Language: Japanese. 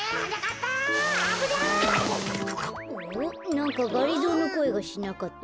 なんかがりぞーのこえがしなかった？